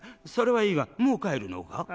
それはいいがもう帰るのか？